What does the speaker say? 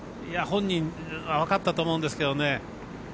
本人、わかったと思うんですけどね。